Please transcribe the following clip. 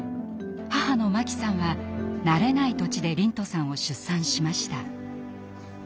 母の真紀さんは慣れない土地で龍翔さんを出産しました。